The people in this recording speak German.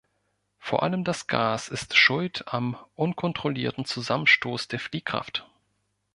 Vor allem das Gas ist Schuld am unkontrollierten Zusammenstoß der Fliehkraft.